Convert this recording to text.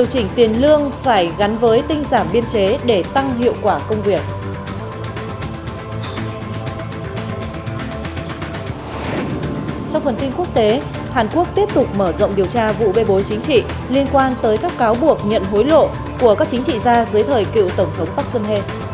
hãy đăng ký kênh để ủng hộ kênh của chúng mình nhé